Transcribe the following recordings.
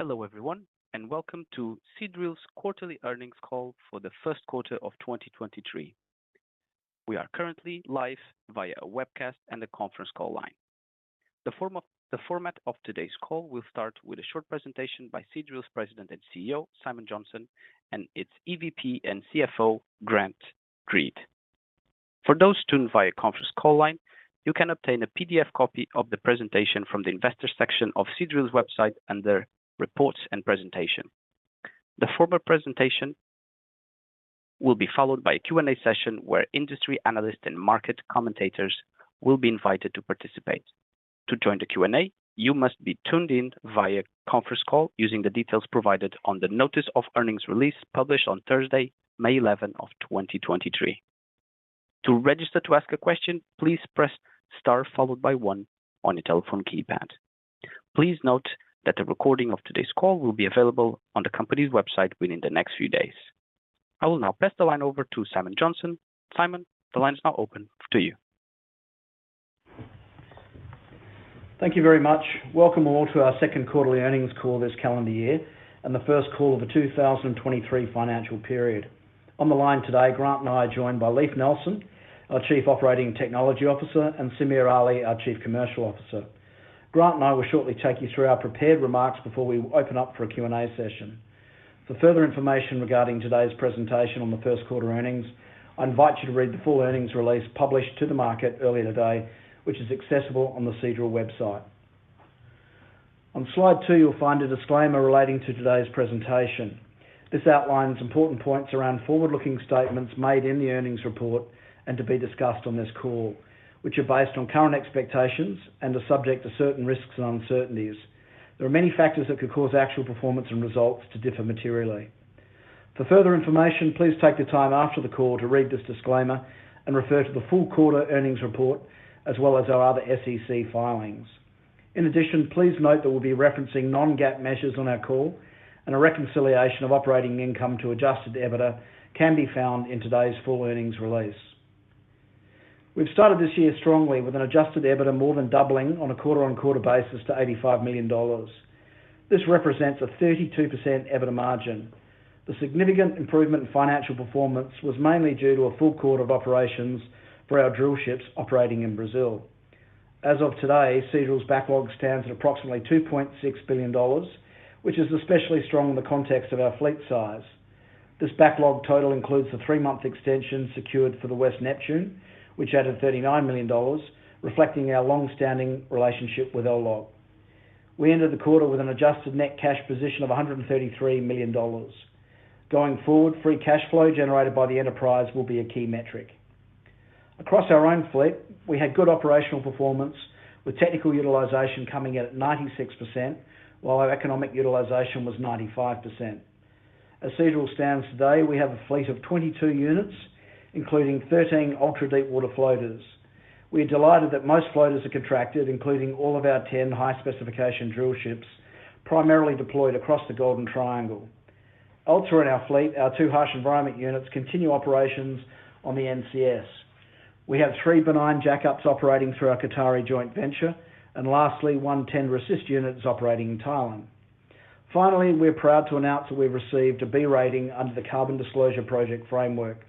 Hello everyone, welcome to Seadrill's quarterly earnings call for the Q1 of 2023. We are currently live via webcast and the conference call line. The format of today's call will start with a short presentation by Seadrill's President and CEO, Simon Johnson, and its EVP and CFO, Grant Creed. For those tuned via conference call line, you can obtain a PDF copy of the presentation from the investor section of Seadrill's website under Reports and Presentation. The former presentation will be followed by a Q&A session where industry analysts and market commentators will be invited to participate. To join the Q&A, you must be tuned in via conference call using the details provided on the Notice of Earnings release published on Thursday, 11 May 2023. To register to ask a question, please press star followed by one on your telephone keypad. Please note that the recording of today's call will be available on the company's website within the next few days. I will now pass the line over to Simon Johnson. Simon, the line is now open to you. Thank you very much. Welcome all to our second quarterly earnings call this calendar year and the first call of the 2023 financial period. On the line today, Grant and I are joined by Leif Nelson, our Chief Operating Technology Officer, and Samir Ali, our Chief Commercial Officer. Grant and I will shortly take you through our prepared remarks before we open up for a Q&A session. For further information regarding today's presentation on the Q1 earnings, I invite you to read the full earnings release published to the market earlier today, which is accessible on the Seadrill website. On slide two, you'll find a disclaimer relating to today's presentation. This outlines important points around forward-looking statements made in the earnings report and to be discussed on this call, which are based on current expectations and are subject to certain risks and uncertainties. There are many factors that could cause actual performance and results to differ materially. For further information, please take the time after the call to read this disclaimer and refer to the full quarter earnings report, as well as our other SEC filings. In addition, please note that we'll be referencing non-GAAP measures on our call, and a reconciliation of operating income to adjusted EBITDA can be found in today's full earnings release. We've started this year strongly with an adjusted EBITDA more than doubling on a quarter-on-quarter basis to $85 million. This represents a 32% EBITDA margin. The significant improvement in financial performance was mainly due to a full quarter of operations for our drillships operating in Brazil. As of today, Seadrill's backlog stands at approximately $2.6 billion, which is especially strong in the context of our fleet size. This backlog total includes the three-month extension secured for the West Neptune, which added $39 million, reflecting our long-standing relationship with Llog. We ended the quarter with an adjusted net cash position of $133 million. Going forward, free cash flow generated by the enterprise will be a key metric. Across our own fleet, we had good operational performance with technical utilization coming in at 96%, while our economic utilization was 95%. As Seadrill stands today, we have a fleet of 22 units, including 13 ultra-deepwater floaters. We are delighted that most floaters are contracted, including all of our 10 high-specification drillships, primarily deployed across the Golden Triangle. Also in our fleet, our two harsh environment units continue operations on the NCS. We have three benign jackups operating through our Qatari joint venture, and lastly, one tender assist unit is operating in Thailand. Finally, we're proud to announce that we've received a B rating under the Carbon Disclosure Project framework,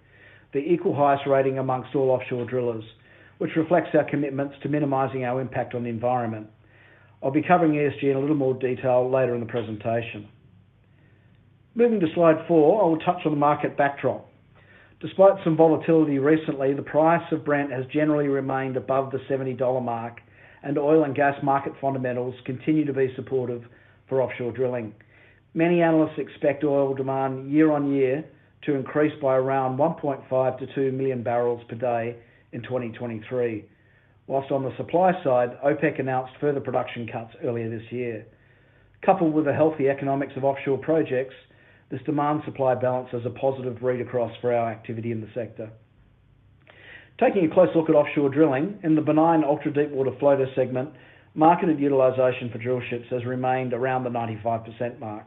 the equal highest rating amongst all offshore drillers, which reflects our commitments to minimizing our impact on the environment. I'll be covering ESG in a little more detail later in the presentation. Moving to slide four, I will touch on the market backdrop. Despite some volatility recently, the price of Brent has generally remained above the $70 mark, and oil and gas market fundamentals continue to be supportive for offshore drilling. Many analysts expect oil demand year on year to increase by around 1.5-2 million barrels per day in 2023. While on the supply side, OPEC announced further production cuts earlier this year. Coupled with the healthy economics of offshore projects, this demand supply balance is a positive read across for our activity in the sector. Taking a close look at offshore drilling, in the benign ultra-deepwater floater segment, marketed utilization for drillships has remained around the 95% mark,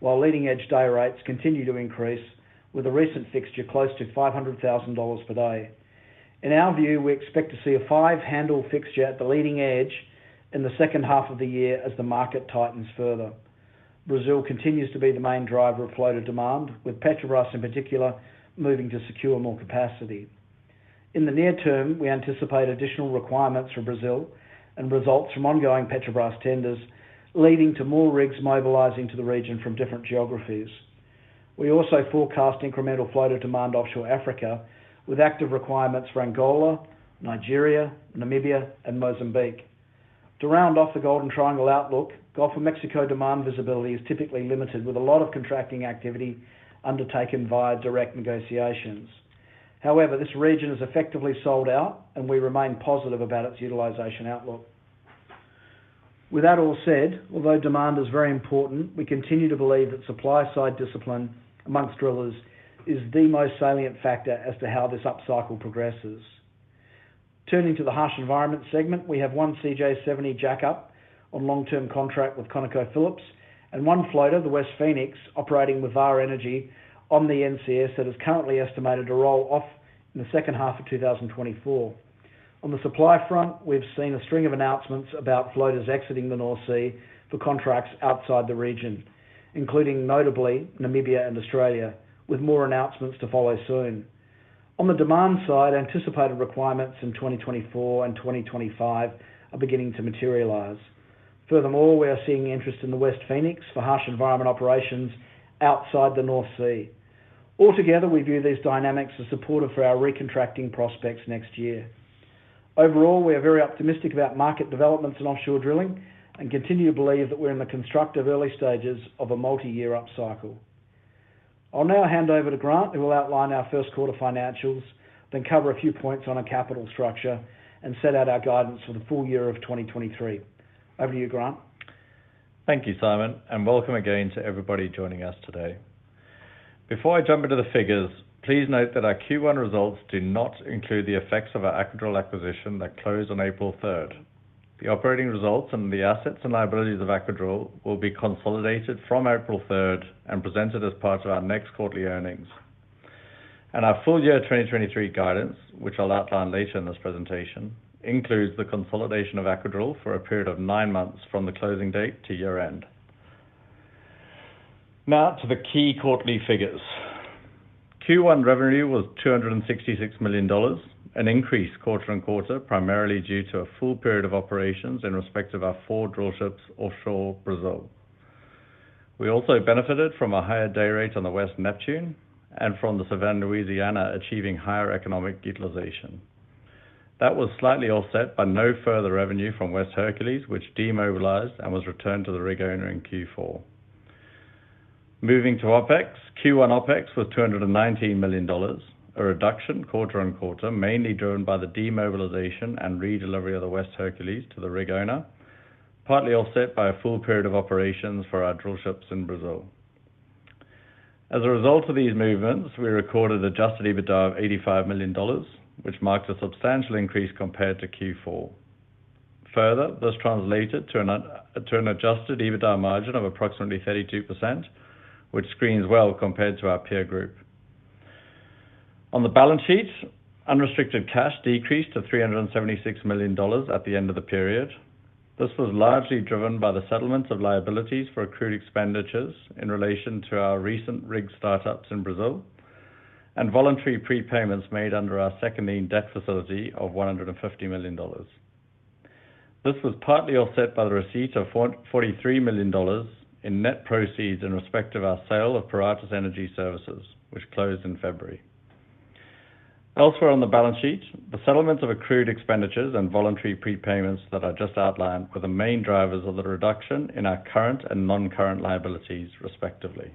while leading-edge day rates continue to increase with a recent fixture close to $500,000 per day. In our view, we expect to see a five-handle fixture at the leading edge in the second half of the year as the market tightens further. Brazil continues to be the main driver of floater demand, with Petrobras in particular moving to secure more capacity. In the near term, we anticipate additional requirements from Brazil and results from ongoing Petrobras tenders, leading to more rigs mobilizing to the region from different geographies. We also forecast incremental floater demand offshore Africa with active requirements for Angola, Nigeria, Namibia, and Mozambique. To round off the Golden Triangle outlook, Gulf of Mexico demand visibility is typically limited with a lot of contracting activity undertaken via direct negotiations. However, this region is effectively sold out, and we remain positive about its utilization outlook. With that all said, although demand is very important, we continue to believe that supply-side discipline amongst drillers is the most salient factor as to how this upcycle progresses. Turning to the harsh environment segment, we have one CJ70 jackup on long-term contract with ConocoPhillips. One floater, the West Phoenix, operating with Vår Energi on the NCS that is currently estimated to roll off in the second half of 2024. On the supply front, we've seen a string of announcements about floaters exiting the North Sea for contracts outside the region, including notably Namibia and Australia, with more announcements to follow soon. On the demand side, anticipated requirements in 2024 and 2025 are beginning to materialize. We are seeing interest in the West Phoenix for harsh environment operations outside the North Sea. We view these dynamics as supportive for our recontracting prospects next year. We are very optimistic about market developments in offshore drilling and continue to believe that we're in the constructive early stages of a multi-year upcycle. I'll now hand over to Grant, who will outline our 1st quarter financials, then cover a few points on a capital structure and set out our guidance for the full year of 2023. Over to you, Grant. Thank you, Simon, and welcome again to everybody joining us today. Before I jump into the figures, please note that our Q1 results do not include the effects of our Aquadrill acquisition that closed on April 3rd. The operating results and the assets and liabilities of Aquadrill will be consolidated from April 3rd and presented as part of our next quarterly earnings. Our full year 2023 guidance, which I'll outline later in this presentation, includes the consolidation of Aquadrill for a period of nine months from the closing date to year-end. Now to the key quarterly figures. Q1 revenue was $266 million, an increase quarter-on-quarter, primarily due to a full period of operations in respect of our four drillships offshore Brazil. We also benefited from a higher day rate on the West Neptune and from the Sevan Louisiana, achieving higher economic utilization. That was slightly offset by no further revenue from West Hercules, which demobilized and was returned to the rig owner in Q4. Moving to OpEx. Q1 OpEx was $219 million, a reduction quarter-on-quarter, mainly driven by the demobilization and redelivery of the West Hercules to the rig owner, partly offset by a full period of operations for our drillships in Brazil. As a result of these movements, we recorded adjusted EBITDA of $85 million, which marks a substantial increase compared to Q4. This translated to an adjusted EBITDA margin of approximately 32%, which screens well compared to our peer group. On the balance sheet, unrestricted cash decreased to $376 million at the end of the period. This was largely driven by the settlement of liabilities for accrued expenditures in relation to our recent rig startups in Brazil and voluntary prepayments made under our second lien debt facility of $150 million. This was partly offset by the receipt of $43 million in net proceeds in respect of our sale of Paratus Energy Services, which closed in February. Elsewhere on the balance sheet, the settlements of accrued expenditures and voluntary prepayments that I just outlined were the main drivers of the reduction in our current and non-current liabilities, respectively.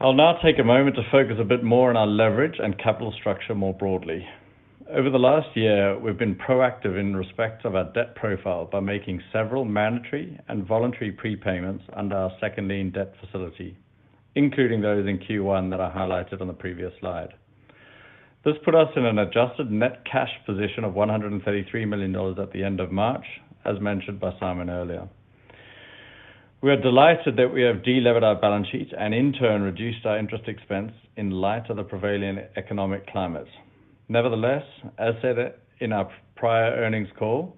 I'll now take a moment to focus a bit more on our leverage and capital structure more broadly. Over the last year, we've been proactive in respect of our debt profile by making several mandatory and voluntary prepayments under our second lien debt facility, including those in Q1 that I highlighted on the previous slide. This put us in an adjusted net cash position of $133 million at the end of March, as mentioned by Simon earlier. We are delighted that we have delevered our balance sheet and in turn reduced our interest expense in light of the prevailing economic climate. Nevertheless, as stated in our prior earnings call,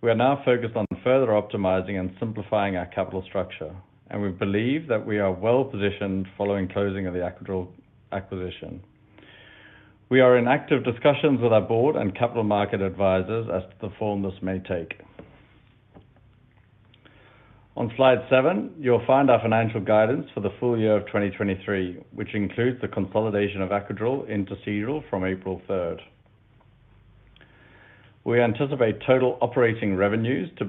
we are now focused on further optimizing and simplifying our capital structure, and we believe that we are well positioned following closing of the Aquadrill acquisition. We are in active discussions with our board and capital market advisors as to the form this may take. On slide seven, you'll find our financial guidance for the full year of 2023, which includes the consolidation of Aquadrill into Seadrill from April 3rd. We anticipate total operating revenues to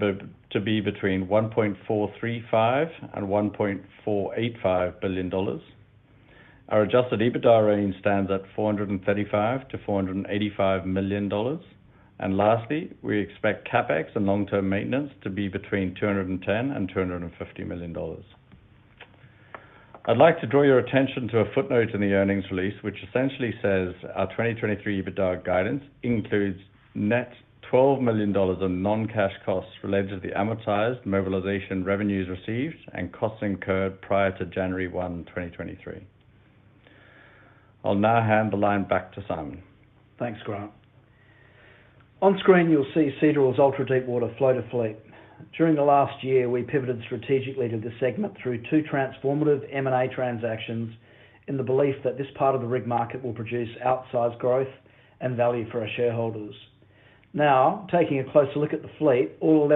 be between $1.435 billion and $1.485 billion. Our adjusted EBITDA range stands at $435-485 million. Lastly, we expect CapEx and long-term maintenance to be between $210 million and $250 million. I'd like to draw your attention to a footnote in the earnings release, which essentially says our 2023 EBITDA guidance includes net $12 million in non-cash costs related to the amortized mobilization revenues received and costs incurred prior to 1 January 2023. I'll now hand the line back to Simon. Thanks, Grant. On screen, you'll see Seadrill's ultra-deepwater floater fleet. During the last year, we pivoted strategically to this segment through two transformative M&A transactions in the belief that this part of the rig market will produce outsized growth and value for our shareholders. Taking a closer look at the fleet, all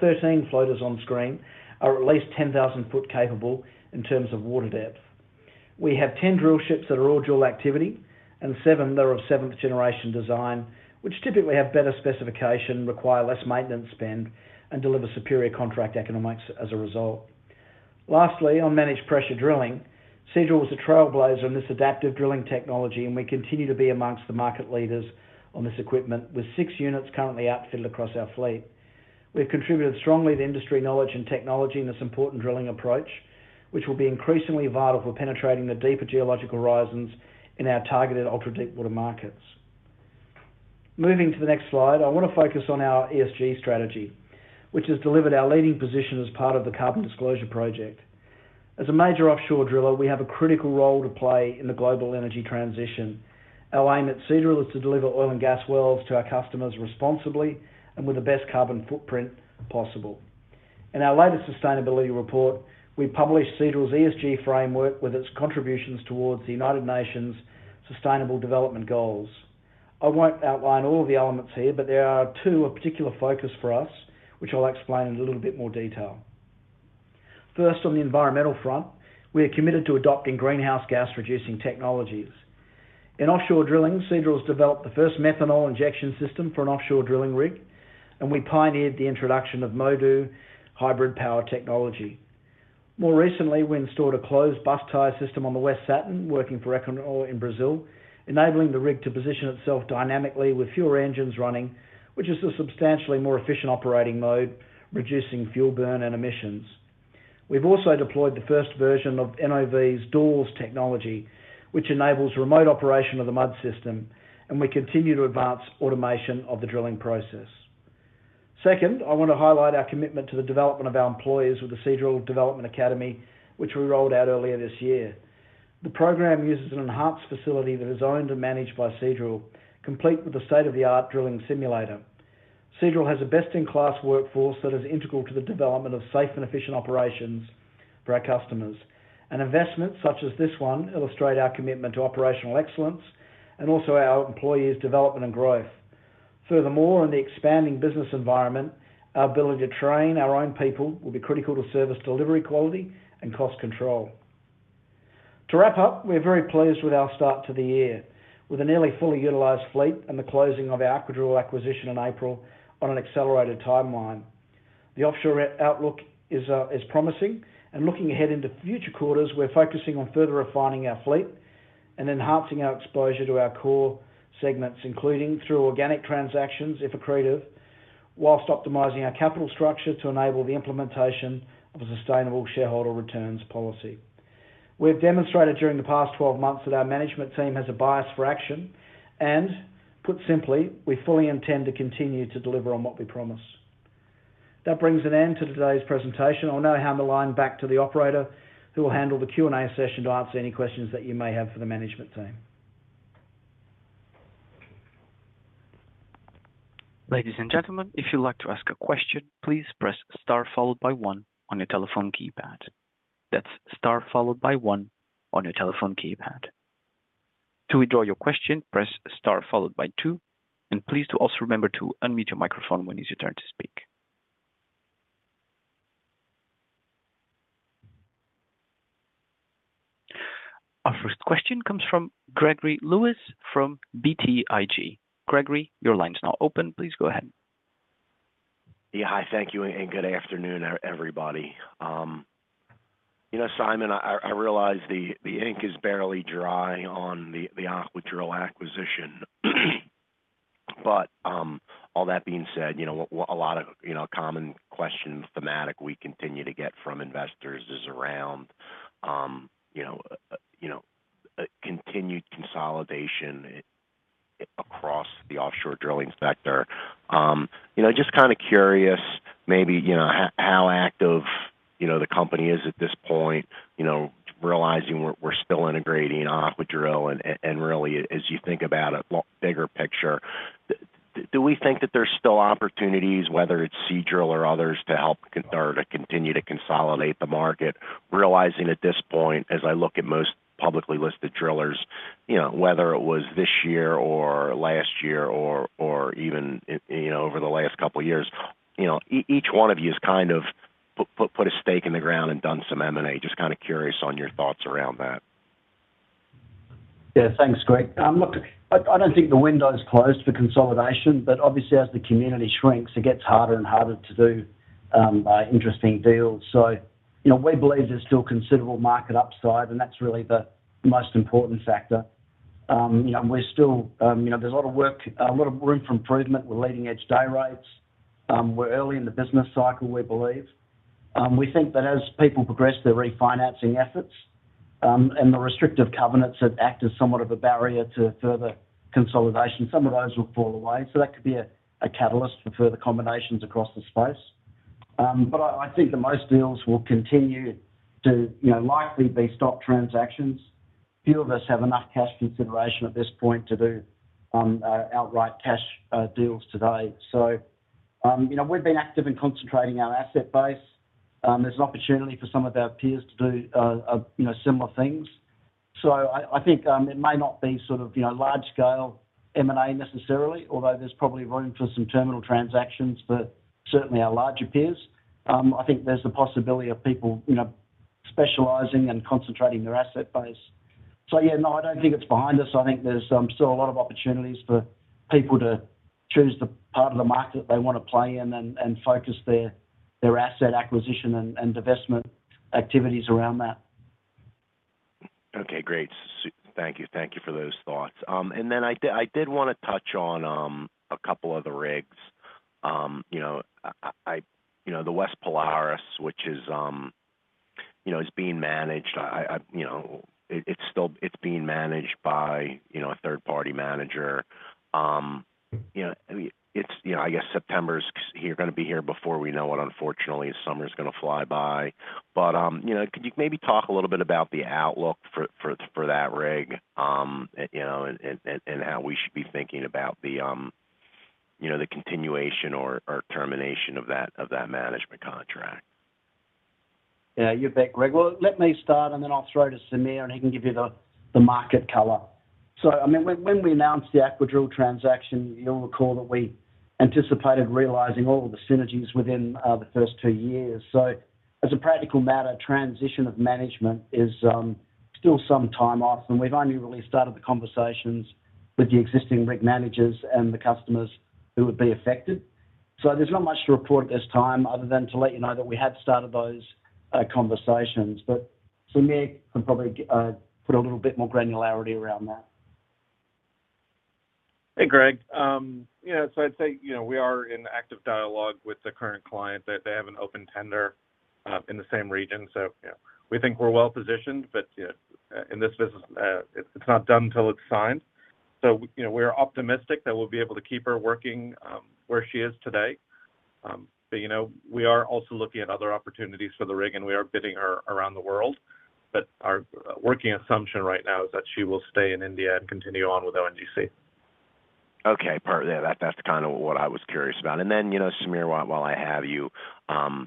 13 floaters on screen are at least 10,000 foot capable in terms of water depth. We have 10 drillships that are all dual activity and seven that are of seventh-generation design, which typically have better specification, require less maintenance spend, and deliver superior contract economics as a result. On managed pressure drilling, Seadrill was a trailblazer in this adaptive drilling technology, and we continue to be amongst the market leaders on this equipment with six units currently outfilled across our fleet. We have contributed strongly to industry knowledge and technology in this important drilling approach, which will be increasingly vital for penetrating the deeper geological horizons in our targeted ultra-deepwater markets. Moving to the next slide, I wanna focus on our ESG strategy, which has delivered our leading position as part of the Carbon Disclosure Project. As a major offshore driller, we have a critical role to play in the global energy transition. Our aim at Seadrill is to deliver oil and gas wells to our customers responsibly and with the best carbon footprint possible. In our latest sustainability report, we published Seadrill's ESG framework with its contributions towards the United Nations Sustainable Development Goals. I won't outline all the elements here, but there are two of particular focus for us, which I'll explain in a little bit more detail. First, on the environmental front, we are committed to adopting greenhouse gas reducing technologies. In offshore drilling, Seadrill has developed the first methanol injection system for an offshore drilling rig. We pioneered the introduction of MODU hybrid power technology. More recently, we installed a closed bus-tie system on the West Saturn, working for Equinor in Brazil, enabling the rig to position itself dynamically with fewer engines running, which is a substantially more efficient operating mode, reducing fuel burn and emissions. We've also deployed the first version of NOV's DORS technology, which enables remote operation of the mud system. We continue to advance automation of the drilling process. Second, I wanna highlight our commitment to the development of our employees with the Seadrill Development Academy, which we rolled out earlier this year. The program uses an enhanced facility that is owned and managed by Seadrill, complete with a state-of-the-art drilling simulator. Seadrill has a best-in-class workforce that is integral to the development of safe and efficient operations for our customers. An investment such as this one illustrate our commitment to operational excellence and also our employees' development and growth. Furthermore, in the expanding business environment, our ability to train our own people will be critical to service delivery quality and cost control. To wrap up, we're very pleased with our start to the year with a nearly fully utilized fleet and the closing of our Aquadrill acquisition in April on an accelerated timeline. The offshore outlook is promising. Looking ahead into future quarters, we're focusing on further refining our fleet and enhancing our exposure to our core segments, including through organic transactions, if accretive, while optimizing our capital structure to enable the implementation of a sustainable shareholder returns policy. We have demonstrated during the past 12 months that our management team has a bias for action, put simply, we fully intend to continue to deliver on what we promise. That brings an end to today's presentation. I'll now hand the line back to the operator, who will handle the Q&A session to answer any questions that you may have for the management team. Ladies and gentlemen, if you'd like to ask a question, please press star followed by one on your telephone keypad. That's star followed by one on your telephone keypad. To withdraw your question, press star followed by two, and please do also remember to unmute your microphone when it's your turn to speak. Our first question comes from Gregory Lewis from BTIG. Gregory, your line is now open. Please go ahead. Yeah. Hi, thank you, and good afternoon, everybody. you know, Simon, I realize the ink is barely dry on the Aquadrill acquisition. But, all that being said, you know, a lot of, you know, common questions thematic we continue to get from investors is around, you know, you know, continued consolidation across the offshore drilling sector. you know, just kinda curious, maybe, you know, how active, you know, the company is at this point, you know, realizing we're still integrating Aquadrill and really as you think about a bigger picture. Do we think that there's still opportunities, whether it's Seadrill or others, to help or to continue to consolidate the market? Realizing at this point, as I look at most publicly listed drillers, you know, whether it was this year or last year or even, you know, over the last couple of years, you know, each one of you has kind of put a stake in the ground and done some M&A. Just kinda curious on your thoughts around that? Yeah. Thanks, Greg. Look, I don't think the window is closed for consolidation, but obviously as the community shrinks, it gets harder and harder to do interesting deals. You know, we believe there's still considerable market upside, and that's really the most important factor. You know, and we're still, you know, there's a lot of work, a lot of room for improvement with leading-edge day rates. We're early in the business cycle, we believe. We think that as people progress their refinancing efforts, and the restrictive covenants that act as somewhat of a barrier to further consolidation, some of those will fall away. That could be a catalyst for further combinations across the space. I think that most deals will continue to, you know, likely be stock transactions. Few of us have enough cash consideration at this point to do outright cash deals today. You know, we've been active in concentrating our asset base. There's an opportunity for some of our peers to do, you know, similar things. I think it may not be sort of, you know, large scale M&A necessarily, although there's probably room for some terminal transactions for certainly our larger peers. I think there's the possibility of people, you know, specializing and concentrating their asset base. Yeah. No, I don't think it's behind us. I think there's still a lot of opportunities for people to choose the part of the market they wanna play in and focus their asset acquisition and divestment activities around that. Okay, great. Thank you. Thank you for those thoughts. And then I did wanna touch on a couple other rigs. You know, the West Polaris, which is, you know, it's being managed. I, you know, it's still being managed by, you know, a third party manager. You know, I mean, it's, you know, I guess September's here, gonna be here before we know it, unfortunately. Summer's gonna fly by. You know, could you maybe talk a little bit about the outlook for that rig, and, you know, and how we should be thinking about the, you know, the continuation or termination of that management contract. Yeah, you bet, Greg. Well, let me start, and then I'll throw to Samir, and he can give you the market color. I mean, when we announced the Aquadrill transaction, you'll recall that we anticipated realizing all of the synergies within the first two years. As a practical matter, transition of management is still some time off, and we've only really started the conversations with the existing rig managers and the customers who would be affected. There's not much to report at this time other than to let you know that we have started those conversations. Samir can probably put a little bit more granularity around that. Hey, Greg. I'd say, you know, we are in active dialogue with the current client. They have an open tender in the same region. You know, we think we're well positioned. You know, in this business, it's not done till it's signed. You know, we're optimistic that we'll be able to keep her working where she is today. You know, we are also looking at other opportunities for the rig, and we are bidding her around the world. Our working assumption right now is that she will stay in India and continue on with ONGC. Okay. Yeah, that's kind of what I was curious about. Then, you know, Samir, while I have you know,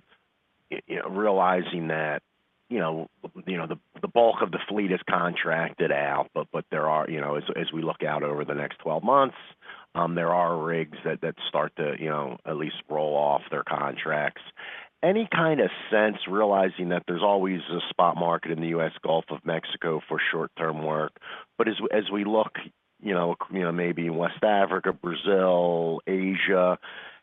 realizing that, you know, the bulk of the fleet is contracted out, but there are, you know, as we look out over the next 12 months, there are rigs that start to, you know, at least roll off their contracts. Any kind of sense, realizing that there's always a spot market in the US Gulf of Mexico for short-term work, but as we look, you know, maybe in West Africa, Brazil, Asia,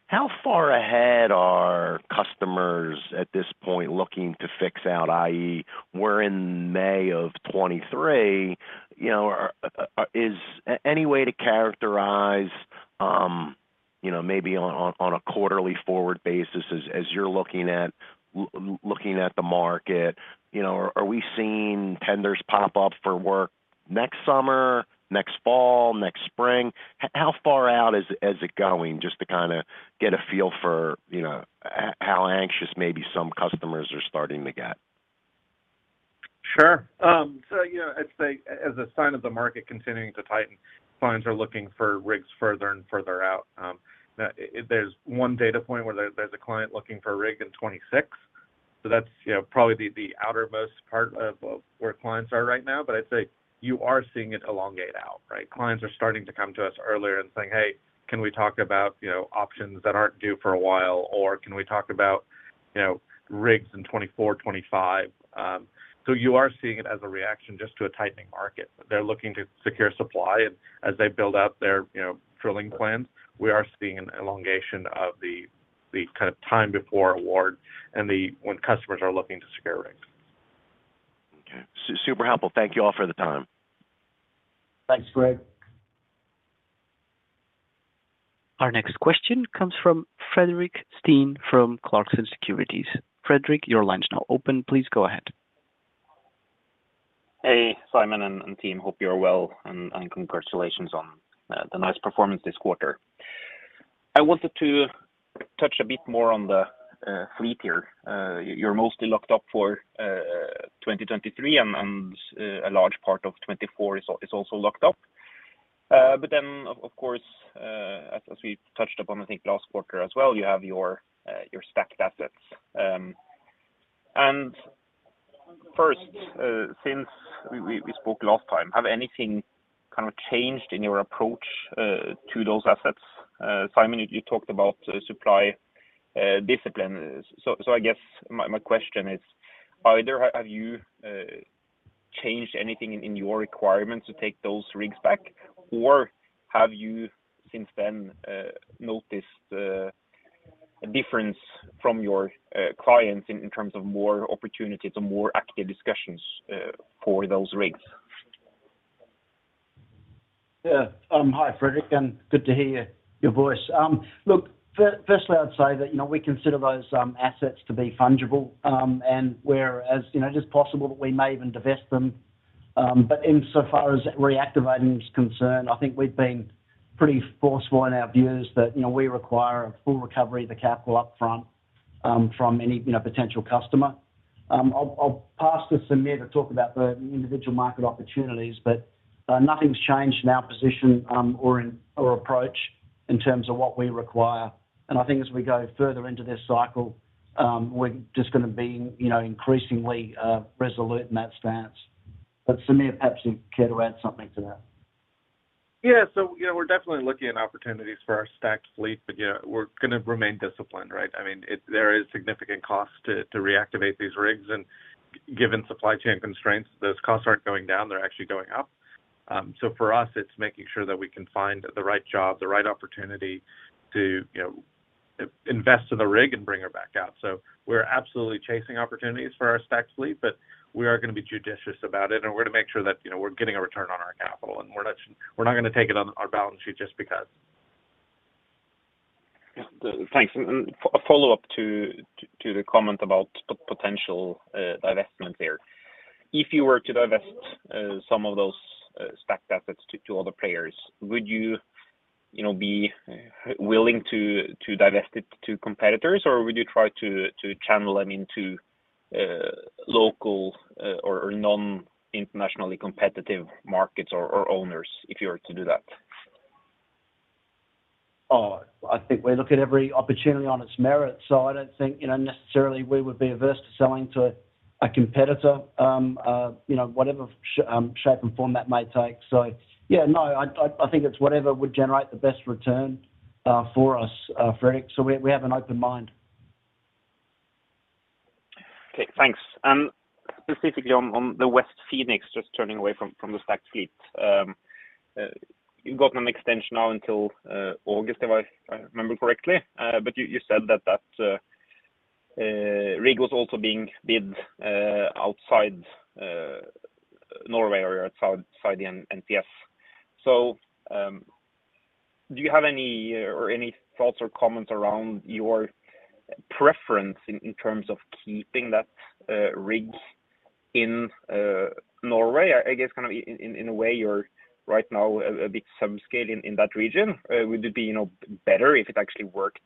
how far ahead are customers at this point looking to fix out, i.e. we're in May of 2023, you know, are... Is any way to characterize, you know, maybe on a quarterly forward basis as you're looking at looking at the market, you know, are we seeing tenders pop up for work next summer, next fall, next spring? How far out is it going? Just to kinda get a feel for, you know, how anxious maybe some customers are starting to get. Sure. You know, I'd say as a sign of the market continuing to tighten, clients are looking for rigs further and further out. Now, there's one data point where there's a client looking for a rig in 2026, that's, you know, probably the outermost part of where clients are right now. I'd say you are seeing it elongate out, right? Clients are starting to come to us earlier and saying, "Hey, can we talk about, you know, options that aren't due for a while," or, "Can we talk about, you know, rigs in 2024, 2025?" You are seeing it as a reaction just to a tightening market. They're looking to secure supply and as they build out their, you know, drilling plans, we are seeing an elongation of the kind of time before award and when customers are looking to secure rigs. Okay. Super helpful. Thank you all for the time. Thanks, Greg. Our next question comes from Fredrik Stene from Clarksons Securities. Fredrik, your line's now open. Please go ahead. Hey, Simon and team. Hope you are well, and congratulations on the nice performance this quarter. I wanted to touch a bit more on the fleet here. You're mostly locked up for 2023 and a large part of 2024 is also locked up. Of course, as we touched upon, I think, last quarter as well, you have your stacked assets. First, since we spoke last time, have anything kind of changed in your approach to those assets? Simon, you talked about supply discipline. I guess my question is either have you changed anything in your requirements to take those rigs back, or have you since then noticed a difference from your clients in terms of more opportunities or more active discussions for those rigs? Yeah. Hi, Fredrik, good to hear your voice. Look, firstly, I'd say that, you know, we consider those assets to be fungible. Whereas, you know, it is possible that we may even divest them. Insofar as reactivating is concerned, I think we've been pretty forceful in our views that, you know, we require a full recovery of the capital up front from any, you know, potential customer. I'll pass to Samir to talk about the individual market opportunities, nothing's changed in our position or approach in terms of what we require. I think as we go further into this cycle, we're just gonna be, you know, increasingly resolute in that stance. Samir, perhaps you'd care to add something to that. You know, we're definitely looking at opportunities for our stacked fleet, but, you know, we're gonna remain disciplined, right? I mean, there is significant cost to reactivate these rigs, and given supply chain constraints, those costs aren't going down. They're actually going up. For us, it's making sure that we can find the right job, the right opportunity to, you know, invest in the rig and bring her back out. We're absolutely chasing opportunities for our stacked fleet, but we are gonna be judicious about it, and we're gonna make sure that, you know, we're getting a return on our capital, and we're not gonna take it on our balance sheet just because. Thanks. A follow-up to the comment about potential divestment there. If you were to divest some of those stacked assets to other players, would you know, be willing to divest it to competitors? Or would you try to channel them into local or non-internationally competitive markets or owners if you were to do that? I think we look at every opportunity on its merit. I don't think, you know, necessarily we would be averse to selling to a competitor, you know, whatever shape and form that may take. Yeah, no, I think it's whatever would generate the best return for us, Fredrik. We, we have an open mind. Okay, thanks. Specifically on the West Phoenix, just turning away from the stacked fleet. You've got an extension now until August, if I remember correctly. You said that rig was also being bid outside Norway or outside the NTS. Do you have any thoughts or comments around your preference in terms of keeping that rig in Norway? I guess kind of in a way you're right now a bit subscale in that region. Would it be, you know, better if it actually worked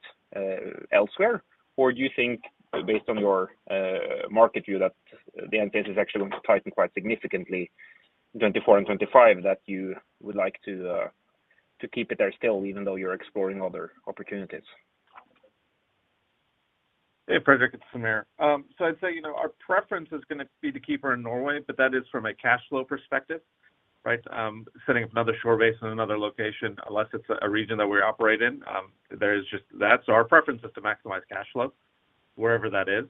elsewhere? Do you think based on your market view that the intent is actually going to tighten quite significantly 2024 and 2025, that you would like to keep it there still, even though you're exploring other opportunities? Hey, Fredrik, it's Samir. I'd say, you know, our preference is gonna be to keep her in Norway, but that is from a cash flow perspective, right? Setting up another shore base in another location, unless it's a region that we operate in, that's our preference is to maximize cash flow wherever that is.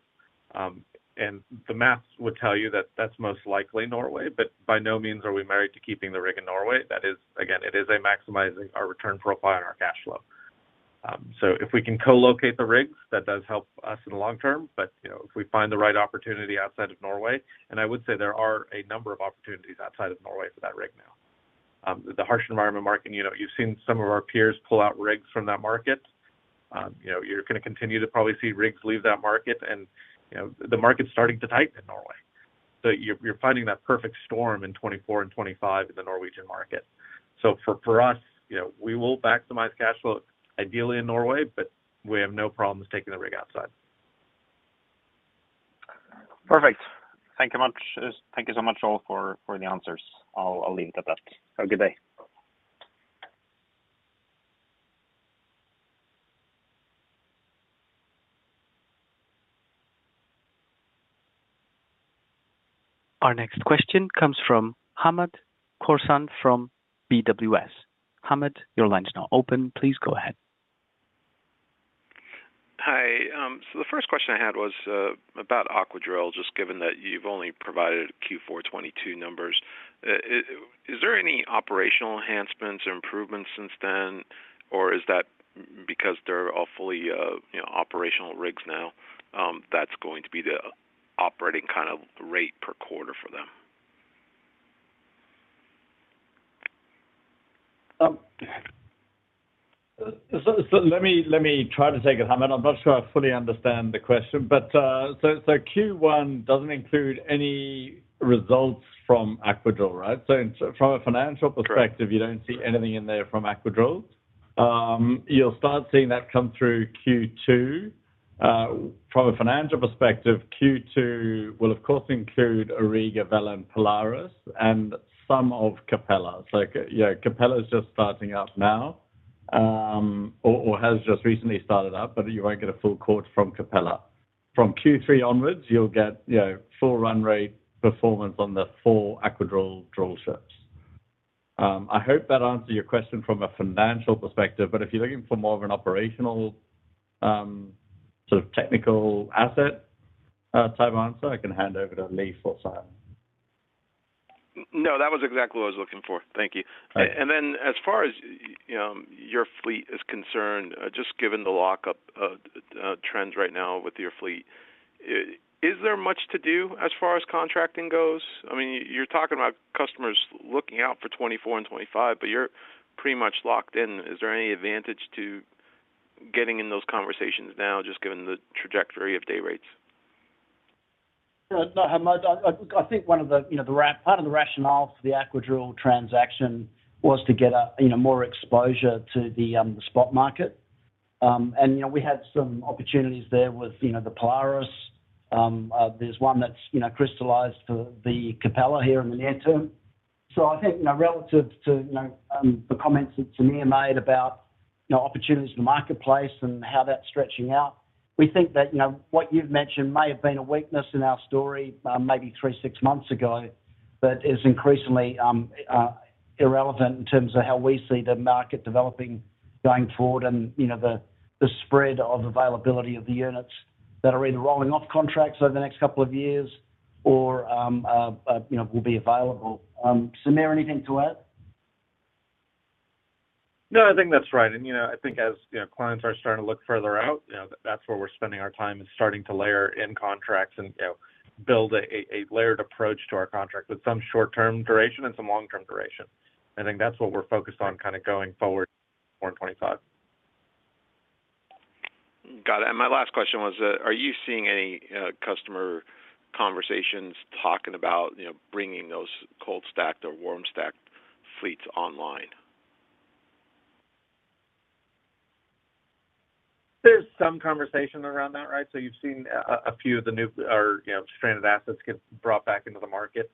The math would tell you that that's most likely Norway, but by no means are we married to keeping the rig in Norway. That is, again, it is a maximizing our return profile and our cash flow. If we can co-locate the rigs, that does help us in the long term. You know, if we find the right opportunity outside of Norway, and I would say there are a number of opportunities outside of Norway for that rig now. The harsh environment market, you know, you've seen some of our peers pull out rigs from that market. You know, you're going to continue to probably see rigs leave that market and, you know, the market's starting to tighten in Norway. You're, you're finding that perfect storm in 2024 and 2025 in the Norwegian market. For, for us, you know, we will maximize cash flow ideally in Norway, but we have no problems taking the rig outside. Perfect. Thank you much. Thank you so much, all, for the answers. I'll leave it at that. Have a good day. Our next question comes from Hamed Khorsand from BWS. Hamed, your line is now open. Please go ahead. Hi. The first question I had was about Aquadrill, just given that you've only provided Q4 2022 numbers? Is there any operational enhancements or improvements since then? Is that because they're all fully operational rigs now, that's going to be the operating kind of rate per quarter for them? Let me try to take it, Hamed. I'm not sure I fully understand the question, but, so Q1 doesn't include any results from Aquadrill, right? From a financial perspective- Correct. You don't see anything in there from Aquadrill. You'll start seeing that come through Q2. From a financial perspective, Q2 will, of course, include Auriga, Vela, and Polaris and some of Capella. You know, Capella is just starting up now, or has just recently started up, but you won't get a full quote from Capella. From Q3 onwards, you'll get, you know, full run rate performance on the four Aquadrill drillships. I hope that answered your question from a financial perspective, but if you're looking for more of an operational, sort of technical asset, type answer, I can hand over to Lee for that. No, that was exactly what I was looking for. Thank you. Right. As far as your fleet is concerned, just given the lockup, trends right now with your fleet, is there much to do as far as contracting goes? I mean, you're talking about customers looking out for 2024 and 2025, but you're pretty much locked in. Is there any advantage to getting in those conversations now, just given the trajectory of day rates? Yeah. No, Hamed, I think one of the, you know, part of the rationale for the Aquadrill transaction was to get a, you know, more exposure to the spot market. You know, we had some opportunities there with, you know, the Polaris. There's one that's, you know, crystallized for the Capella here in the near term. I think, you know, relative to, you know, the comments that Samir made about, you know, opportunities in the marketplace and how that's stretching out, we think that, you know, what you've mentioned may have been a weakness in our story, maybe three, six months ago, but is increasingly irrelevant in terms of how we see the market developing going forward and, you know, the spread of availability of the units that are either rolling off contracts over the next couple of years or, you know, will be available. Samir, anything to add? No, I think that's right. You know, I think as, you know, clients are starting to look further out, you know, that's where we're spending our time, is starting to layer in contracts and, you know, build a layered approach to our contracts with some short-term duration and some long-term duration. I think that's what we're focused on kind of going forward in 2024 and 2025. Got it. My last question was, are you seeing any customer conversations talking about, you know, bringing those cold stacked or warm stacked fleets online? There's some conversation around that, right? You've seen a few of the new or, you know, stranded assets get brought back into the market.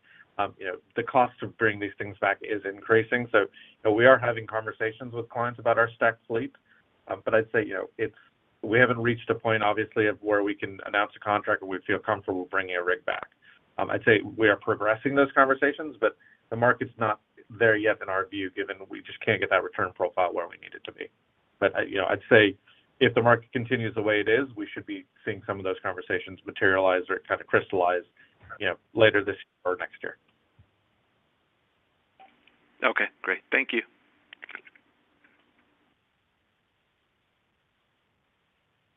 You know, the cost of bringing these things back is increasing. You know, we are having conversations with clients about our stacked fleet. I'd say, you know, we haven't reached a point, obviously, of where we can announce a contract or we feel comfortable bringing a rig back. I'd say we are progressing those conversations, the market's not there yet in our view, given we just can't get that return profile where we need it to be. You know, I'd say if the market continues the way it is, we should be seeing some of those conversations materialize or kind of crystallize, you know, later this year or next year. Okay, great. Thank you.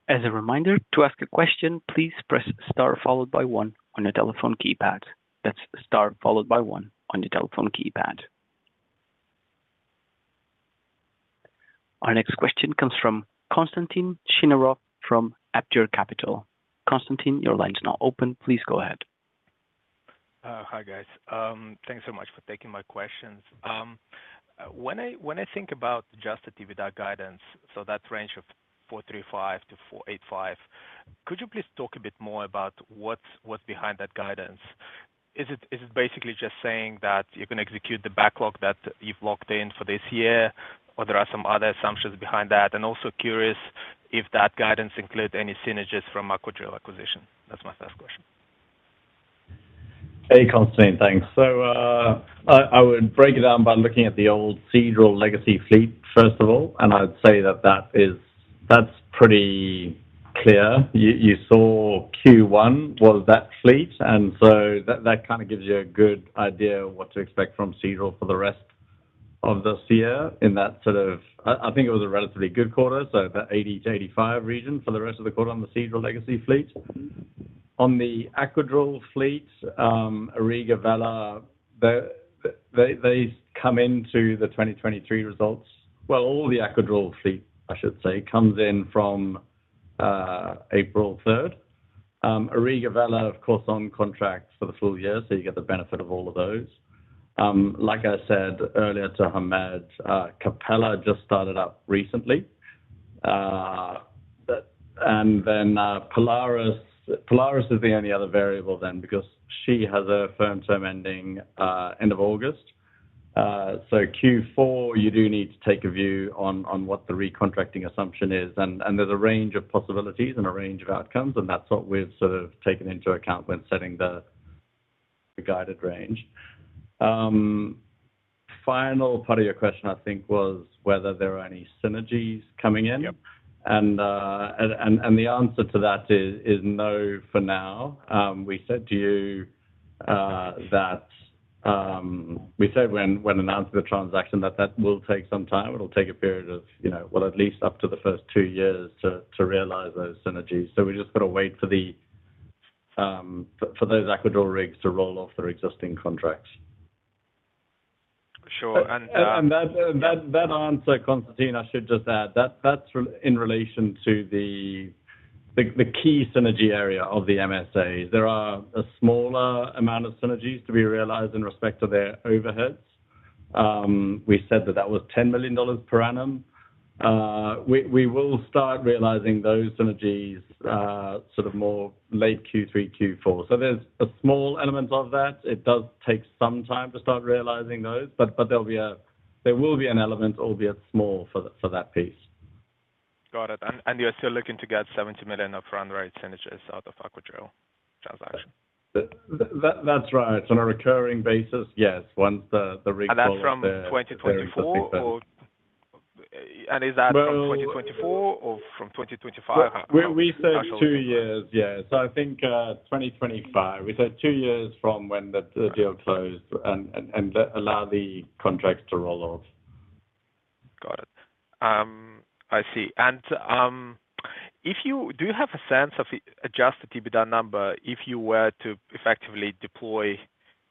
As a reminder, to ask a question, please press star followed by one on your telephone keypad. That's star followed by one on your telephone keypad. Our next question comes from Konstantin Chinarov from Aptior Capital. Konstantin, your line is now open. Please go ahead. Hi, guys. Thanks so much for taking my questions. When I think about adjusted EBITDA guidance, so that range of $435-485 million, could you please talk a bit more about what's behind that guidance? Is it basically just saying that you're gonna execute the backlog that you've locked in for this year or there are some other assumptions behind that? Also curious if that guidance includes any synergies from Aquadrill acquisition. That's my first question. Hey, Konstantin. Thanks. I would break it down by looking at the old Seadrill legacy fleet, first of all, and I'd say that that is. That's pretty clear. You saw Q1 was that fleet, and that kind of gives you a good idea what to expect from Seadrill for the rest of this year in that sort of. I think it was a relatively good quarter, so the 80-85 region for the rest of the quarter on the Seadrill legacy fleet. On the Aquadrill fleet, Auriga, Vela, they come into the 2023 results. All the Aquadrill fleet, I should say, comes in from April 3rd. Auriga, Vela, of course, on contract for the full year, so you get the benefit of all of those. Like I said earlier to Hamed, Capella just started up recently. Then Polaris. Polaris is the only other variable then because she has a firm term ending end of August. Q4, you do need to take a view on what the recontracting assumption is. There's a range of possibilities and a range of outcomes, and that's what we've sort of taken into account when setting the guided range. Final part of your question, I think, was whether there are any synergies coming in. Yep. The answer to that is no for now. We said to you that. We said when announcing the transaction that that will take some time. It'll take a period of, you know, well, at least up to the first two years to realize those synergies. We just gotta wait for those Aquadrill rigs to roll off their existing contracts. Sure. That answer, Konstantin, I should just add, that's in relation to the key synergy area of the MSAs. There are a smaller amount of synergies to be realized in respect to their overheads. We said that that was $10 million per annum. We will start realizing those synergies sort of more late Q3, Q4. There's a small element of that. It does take some time to start realizing those, but there will be an element, albeit small, for that piece. Got it. And you're still looking to get $70 million of run rate synergies out of Aquadrill transaction? That's right. On a recurring basis, yes, once the rigs roll off their. Is that from 2024 or from 2025? We said two years. Yeah. I think, 2025. We said two years from when the deal closed and allow the contracts to roll off. Got it. I see. Do you have a sense of adjusted EBITDA number if you were to effectively deploy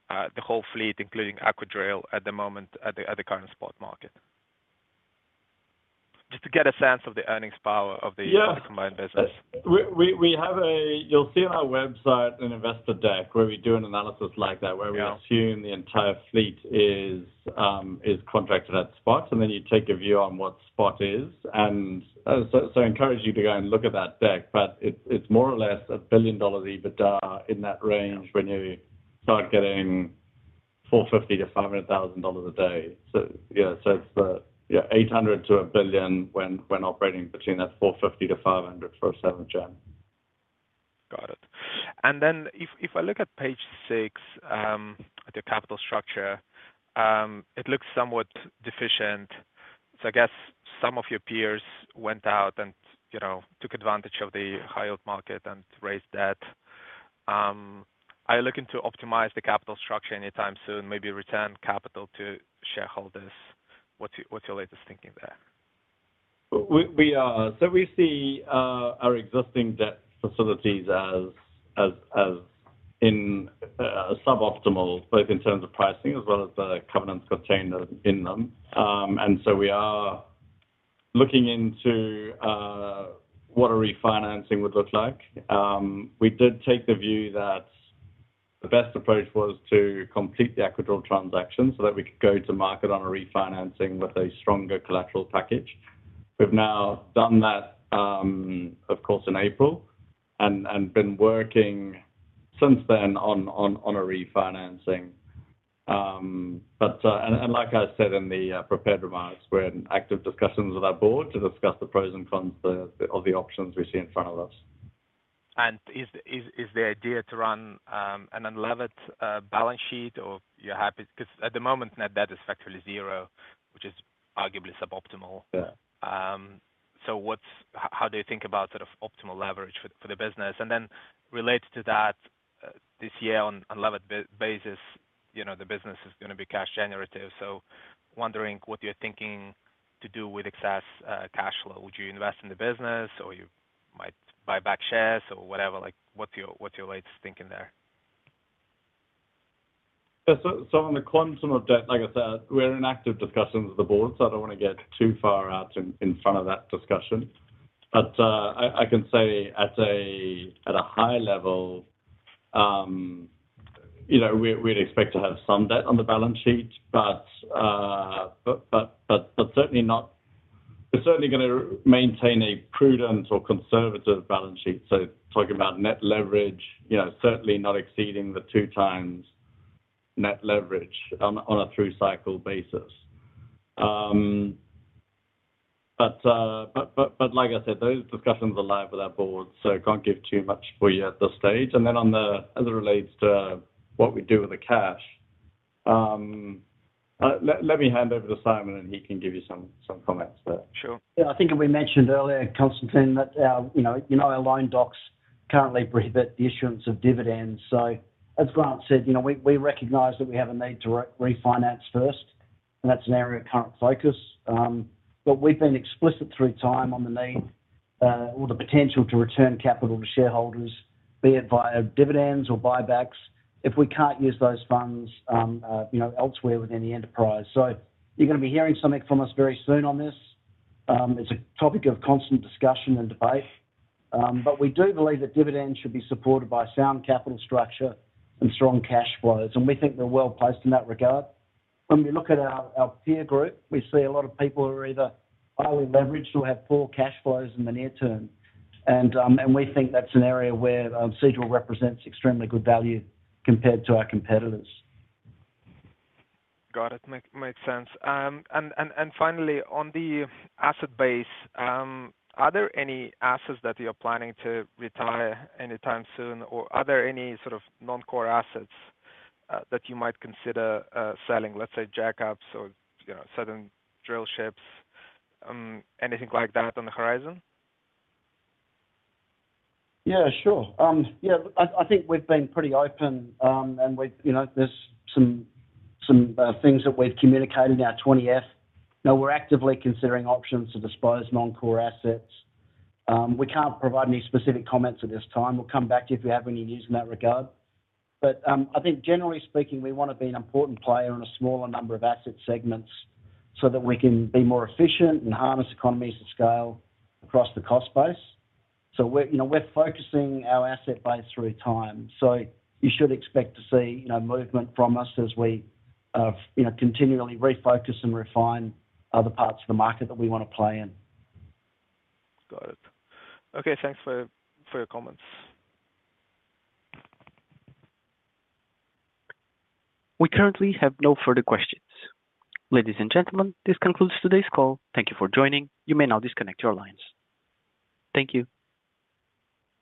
the whole fleet, including Aquadrill, at the moment at the current spot market? Just to get a sense of the earnings power of the. Yeah of the combined business. We have a... You'll see on our website an investor deck where we do an analysis like that where we assume the entire fleet is contracted at spot, and then you take a view on what spot is. Encourage you to go and look at that deck. It's more or less $1 billion EBITDA in that range when you start getting $450,000-500,000 a day. Yeah. It's yeah, $800 million-1 billion when operating between that $450,000-500,000 for a seventh-generation. Got it. If, if I look at page six, at the capital structure, it looks somewhat deficient. I guess some of your peers went out and, you know, took advantage of the high yield market and raised debt. Are you looking to optimize the capital structure anytime soon, maybe return capital to shareholders? What's your latest thinking there? We are. We see our existing debt facilities as in sub-optimal, both in terms of pricing as well as the covenants contained in them. We are looking into what a refinancing would look like. We did take the view that the best approach was to complete the Aquadrill transaction so that we could go to market on a refinancing with a stronger collateral package. We've now done that, of course, in April and been working since then on a refinancing. Like I said in the prepared remarks, we're in active discussions with our board to discuss the pros and cons of the options we see in front of us. Is the idea to run an unlevered balance sheet, or you're happy? At the moment, net debt is effectively 0, which is arguably suboptimal. Yeah. how do you think about sort of optimal leverage for the business? Related to that, this year on unlevered basis, you know, the business is gonna be cash generative, so wondering what you're thinking to do with excess cash flow. Would you invest in the business or you might buy back shares or whatever? Like, what's your latest thinking there? On the quantum of debt, like I said, we're in active discussions with the board. I don't wanna get too far out in front of that discussion. I can say at a high level, you know, we'd expect to have some debt on the balance sheet. We're certainly gonna maintain a prudent or conservative balance sheet. Talking about net leverage, you know, certainly not exceeding the 2 times net leverage on a through cycle basis. Like I said, those discussions are live with our board. Can't give too much for you at this stage. On the, as it relates to what we do with the cash, let me hand over to Simon and he can give you some comments there. Sure. Yeah. I think we mentioned earlier, Constantine, that our, you know, our loan docs currently prohibit the issuance of dividends. As Grant said, you know, we recognize that we have a need to refinance first, and that's an area of current focus. We've been explicit through time on the need or the potential to return capital to shareholders, be it via dividends or buybacks if we can't use those funds, you know, elsewhere within the enterprise. You're gonna be hearing something from us very soon on this. It's a topic of constant discussion and debate. We do believe that dividends should be supported by sound capital structure and strong cash flows, and we think we're well-placed in that regard. When we look at our peer group, we see a lot of people who are either highly leveraged or have poor cash flows in the near term. We think that's an area where Seadrill represents extremely good value compared to our competitors. Got it. Makes sense. Finally, on the asset base, are there any assets that you're planning to retire anytime soon? Or are there any sort of non-core assets that you might consider selling, let's say jackups or, you know, certain drillships, anything like that on the horizon? Yeah, sure. Yeah, I think we've been pretty open. We've, you know, there's some things that we've communicated in our 20-F. You know, we're actively considering options to dispose non-core assets. We can't provide any specific comments at this time. We'll come back to you if we have any news in that regard. I think generally speaking, we wanna be an important player in a smaller number of asset segments so that we can be more efficient and harness economies of scale across the cost base. We're, you know, we're focusing our asset base through time, so you should expect to see, you know, movement from us as we, you know, continually refocus and refine other parts of the market that we wanna play in. Got it. Okay, thanks for your comments. We currently have no further questions. Ladies and gentlemen, this concludes today's call. Thank you for joining. You may now disconnect your lines. Thank you.